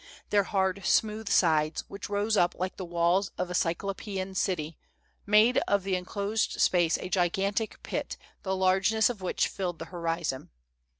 Their hard, smooth sides, which rose up like the walls of a cyclo[)ean city, made of the enclosed space a gigantic pit the largeness of which filled the horizon.